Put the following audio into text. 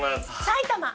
埼玉。